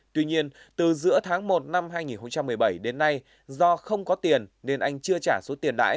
tuy nhiên từ giữa tháng một năm hai nghìn một mươi bảy đến nay do không có tiền nên anh chưa trả số tiền đãi